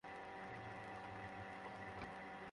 খসড়া বলছে, অপরাধ ঘটার দুই বছরের মধ্যে অভিযোগ দায়ের করতে হবে।